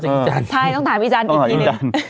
ใช่ต้องถามอีจรรย์อีกที